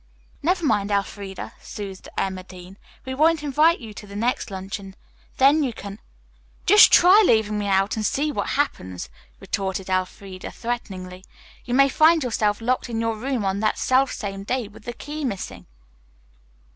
"Never mind, Elfreda," soothed Emma Dean; "we won't invite you to the next luncheon, then you can " "Just try leaving me out and see what happens," retorted Elfreda threateningly. "You may find yourself locked in your room on that self same day with the key missing."